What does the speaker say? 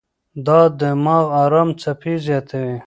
دا د دماغ ارام څپې زیاتوي.